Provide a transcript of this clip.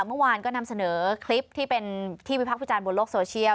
เมื่อวานก็นำเสนอคลิปที่เป็นที่วิพักษ์วิจารณ์บนโลกโซเชียล